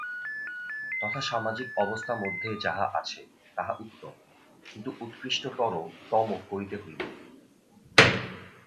তথা সামাজিক অবস্থামধ্যে যাহা আছে, তাহা উত্তম, কিন্তু উৎকৃষ্ট-তর-তম করিতে হইবে।